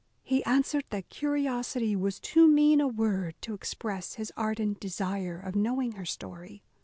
He answered, that curiosity was too mean a word to express his ardent desire of knowing her story.